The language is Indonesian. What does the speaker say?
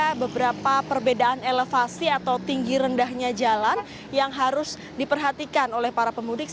selain itu masih ada beberapa perbedaan elevasi atau tinggi rendahnya jalan yang harus diperhatikan oleh para pemudik lain